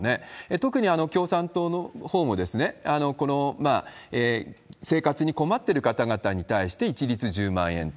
特に共産党のほうも、この生活に困ってる方々に対して一律１０万円と。